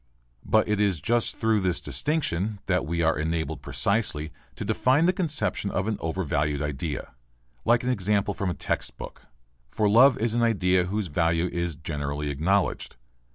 But it is just through this distinction that we are enabled precisely to define the conception of an overvalued idea. Like an example from a text book. For love is an idea whose value is generally acknowledged.